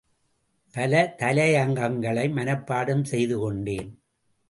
பல தலையங்கங்களை மனப்பாடம் செய்துகொண்டேன்.